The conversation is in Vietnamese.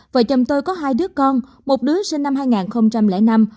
vợ chồng tôi có hai đứa con một đứa sinh năm hai nghìn năm